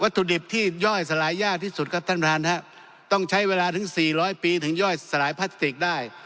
ถุดิบที่ย่อยสลายยากที่สุดครับท่านประธานครับต้องใช้เวลาถึง๔๐๐ปีถึงย่อยสลายพลาสติกได้